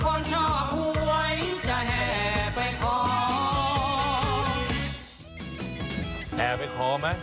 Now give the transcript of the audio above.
ของคนอยากรวย